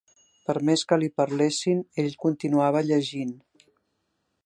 Per més que li parlessin, ell continuava llegint.